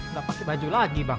nggak pakai baju lagi bang